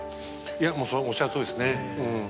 それおっしゃるとおりですね。